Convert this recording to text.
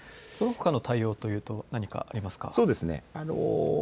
そのほかの対応というと何かありますか。